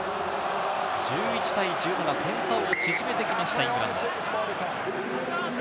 １１対１７、点差を縮めてきましたイングランド。